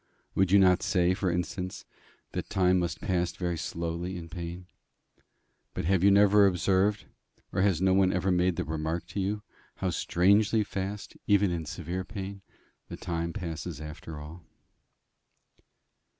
Would you not say, for instance, that time must pass very slowly in pain? But have you never observed, or has no one ever made the remark to you, how strangely fast, even in severe pain, the time passes after all?